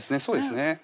そうですね